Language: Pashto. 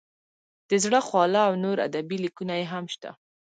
د زړه خواله او نور ادبي لیکونه یې هم شته.